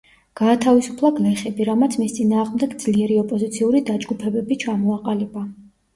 გაათავისუფლა გლეხები, რამაც მის წინააღმდეგ ძლიერი ოპოზიციური დაჯგუფებები ჩამოაყალიბა.